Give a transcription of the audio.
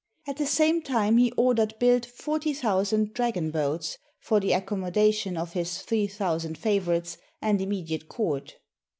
At the same time he ordered built forty thousand "dragon boats" for the accommodation of his three thousand favorites and immediate court.